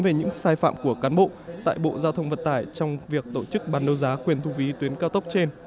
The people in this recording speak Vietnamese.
về những sai phạm của cán bộ tại bộ giao thông vận tải trong việc tổ chức bàn đấu giá quyền thu phí tuyến cao tốc trên